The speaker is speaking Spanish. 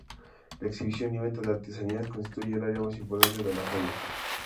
La exhibición y venta de artesanías constituye el área más importante de la feria.